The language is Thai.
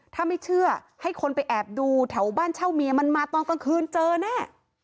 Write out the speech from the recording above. ถ้าไม่เชื่อให้คนไปแอบดูแถวบ้านเช่าเมียมันมาตอนกลางคืนเจอแน่